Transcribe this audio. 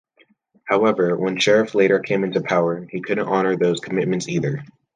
However, when Sharif later came into power, he couldn't honour those commitments either.